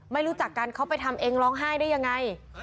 ไม่รู้จักการเขาไปทำร้องไห้ได้ยังไง